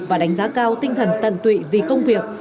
và đánh giá cao tinh thần tận tụy vì công việc